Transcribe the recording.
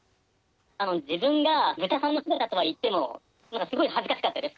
自分がブタさんの姿とはいってもなんかすごい恥ずかしかったです。